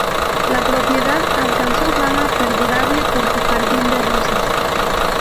La propiedad alcanzó fama perdurable por su jardín de rosas.